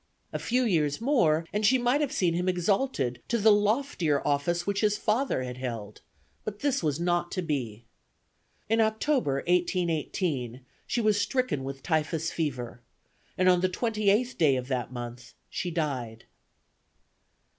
A few years more, and she might have seen him exalted to the loftier office which his father had held; but this was not to be. In October, 1818, she was stricken with typhus fever; and on the 28th day of that month, she died.